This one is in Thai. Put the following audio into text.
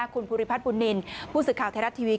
คุณภูริพัฒนบุญนินทร์ผู้สื่อข่าวไทยรัฐทีวี